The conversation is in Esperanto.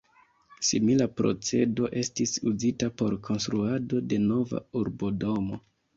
Simila procedo estis uzita por konstruado de Nova urbodomo.